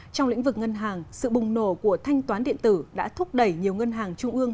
trong lĩnh vực ngân hàng sự bùng nổ của thanh toán điện tử đã thúc đẩy nhiều ngân hàng trung ương